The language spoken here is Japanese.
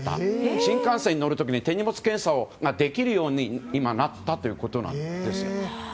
新幹線に乗る時に手荷物検査ができるように今なったということです。